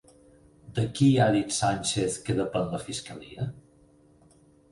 De qui ha dit Sánchez que depèn la fiscalia?